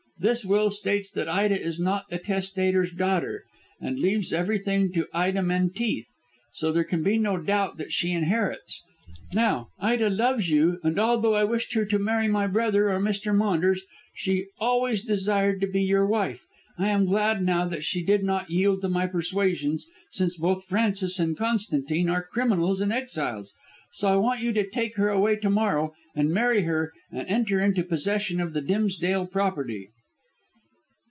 This will states that Ida is not the testator's daughter, and leaves everything to Ida Menteith, so there can be no doubt that she inherits. Now, Ida loves you, and although I wished her to marry my brother or Mr. Maunders, she always desired to be your wife. I am glad now that she did not yield to my persuasions, since both Francis and Constantine are criminals and exiles. So I want you to take her away to morrow and marry her and enter into possession of the Dimsdale property."